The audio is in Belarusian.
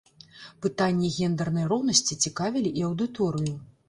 Пытанні гендэрнай роўнасці цікавілі і аўдыторыю.